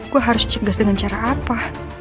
gue harus cegas dengan cara apa